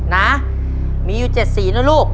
นะมีอยู่๗สีนะลูก